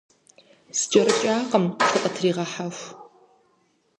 СкӀэрыкӀакъым, сыкъытригъэхьэху.